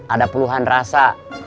ada puluhan rasa